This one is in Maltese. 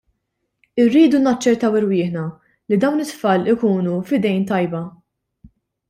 Irridu naċċertaw irwieħna li dawn it-tfal ikunu f'idejn tajba.